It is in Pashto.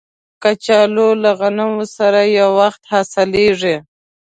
کچالو له غنم سره یو وخت حاصلیږي